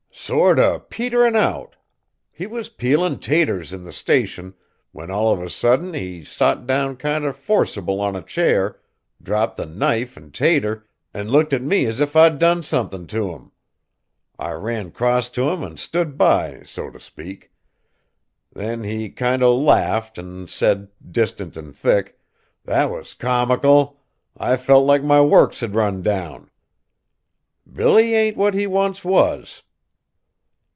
"Sort o' peterin' out. He was peelin' taters in the Station, when all of a suddint he sot down kinder forcible on a chair, dropped the knife an' tater, an' looked at me as if I'd done somethin' t' him. I ran crost t' him an' stood by, so t' speak. Then he kinder laughed an' said, distant an' thick, 'That was comical! I felt like my works had run down!' Billy ain't what he once was."